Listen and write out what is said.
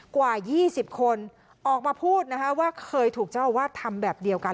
กว่า๒๐คนออกมาพูดนะคะว่าเคยถูกเจ้าอาวาสทำแบบเดียวกัน